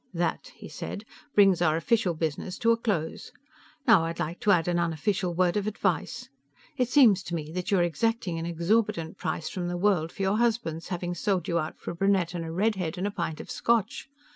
"That," he said, "brings our official business to a close. Now I'd like to add an unofficial word of advice. It seems to me that you're exacting an exorbitant price from the world for your husband's having sold you out for a brunette and a redhead and a pint of Scotch.